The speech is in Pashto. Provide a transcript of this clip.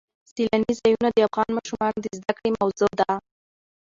سیلاني ځایونه د افغان ماشومانو د زده کړې موضوع ده.